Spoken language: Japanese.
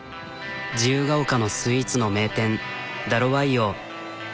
自由が丘のスイーツの名店ダロワイヨ。